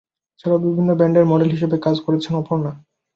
এছাড়াও বিভিন্ন ব্যান্ডের মডেল হিসেবে কাজ করেছেন অপর্ণা।